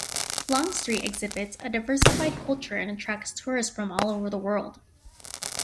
Long Street exhibits a diversified culture and attracts tourists from all over the world.